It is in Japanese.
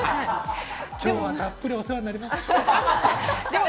今日はたっぷりお世話になります。